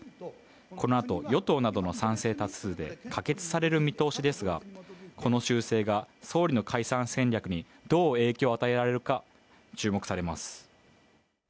このあと与党などの賛成多数で可決される見通しですが、この修正が総理の解散戦略にどう影響を与えるか注目されます。